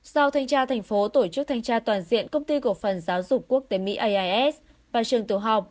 sau thanh tra thành phố tổ chức thanh tra toàn diện công ty cổ phần giáo dục quốc tế mỹ ais và trường tiểu học